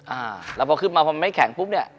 อ่าแล้วพอขึ้นมาพอไม่แข็งปุ๊บเนี่ย